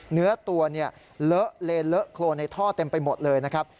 เนื้อตัวเนี่ยเลอะเลนเลอะโครนในท่อเต็มไปหมดเลยนะครับ